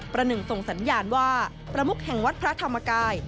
หนึ่งส่งสัญญาณว่าประมุกแห่งวัดพระธรรมกาย